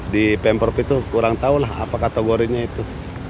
di pemprov itu kurang tahu lah apa kategorinya itu